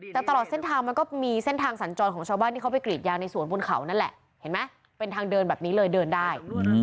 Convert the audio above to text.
แต่ตลอดเส้นทางมันก็มีเส้นทางสัญจรของชาวบ้านที่เขาไปกรีดยางในสวนบนเขานั่นแหละเห็นไหมเป็นทางเดินแบบนี้เลยเดินได้